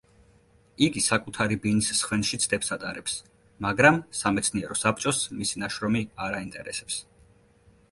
იგი საკუთარი ბინის სხვენში ცდებს ატარებს, მაგრამ სამეცნიერო საბჭოს მისი ნაშრომი არ აინტერესებს.